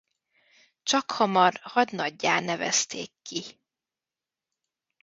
Csakhamar hadnaggyá nevezték ki.